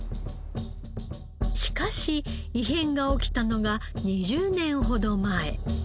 しかし異変が起きたのが２０年ほど前。